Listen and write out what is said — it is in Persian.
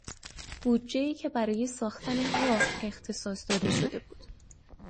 بودجهای که برای ساختن راه اختصاص داده شده بود